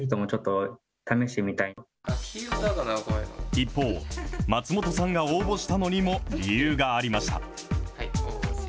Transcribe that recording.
一方、松本さんが応募したのにも理由がありました。